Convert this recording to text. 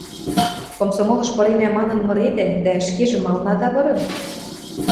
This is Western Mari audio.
Комсомолыш пыренӓ манын мыредӓ, дӓ ӹшкежӹ малын ада пыры?